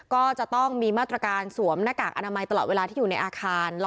ก็จะต้องมีมาตรการสวมหน้ากากอนามัยตลอดเวลาที่อยู่ในอาคาร